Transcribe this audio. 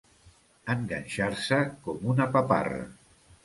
Enganxar-se com una paparra.